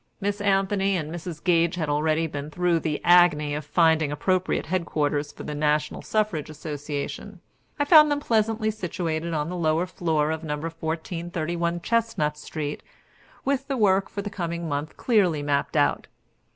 Miss Anthony and Mrs. Gage had already been through the agony of finding appropriate headquarters for the National Suffrage Association. I found them pleasantly situated on the lower floor of No. 1431 Chestnut Street, with the work for the coming month clearly mapped out.